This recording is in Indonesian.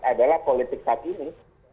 adalah politik saat ini